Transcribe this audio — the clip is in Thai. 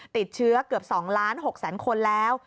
ติดเชื้อเกือบ๒๖๐๐๐๐๐คนแล้ว